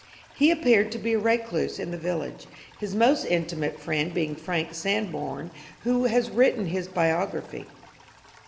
He appeared to be a recluse in the village, his most intimate friend being Frank Sanborn, who has written his biography.